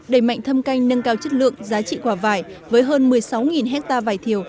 đẩy mạnh thâm canh nâng cao chất lượng giá trị quả vải với hơn một mươi sáu hectare vải thiều